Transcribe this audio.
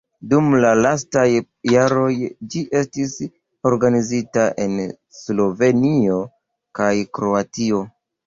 Dum la lastaj jaroj ĝi estis organizita en Slovenio kaj Kroatio.